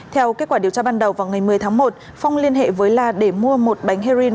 theo kết quả điều tra ban đầu vào ngày một mươi tháng một phong liên hệ với la để mua một bánh heroin